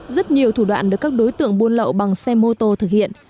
rất nhiều thủ đoạn được các đối tượng buôn lậu bằng xe mô tô thực hiện